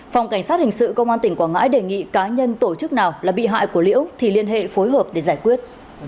phòng cảnh sát hình sự công an tỉnh quảng ngãi đề nghị cá nhân tổ chức nào là bị hại của liễu thì liên hệ phối hợp để giải quyết